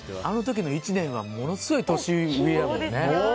あの時の１年はものすごい年上やもんね。